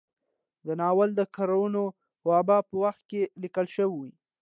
دا ناول د کرونا وبا په وخت کې ليکل شوى